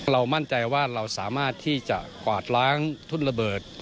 มั่นใจว่าเราสามารถที่จะกวาดล้างทุ่นระเบิด